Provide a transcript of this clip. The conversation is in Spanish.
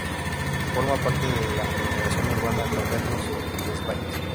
Forma parte de la aglomeración urbana de Andernos-les-Bains.